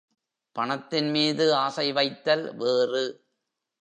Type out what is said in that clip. பணத்தின் மீது ஆசை வைத்தல் வேறு.